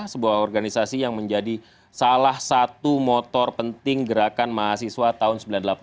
sebuah organisasi yang menjadi salah satu motor penting gerakan mahasiswa tahun sembilan puluh delapan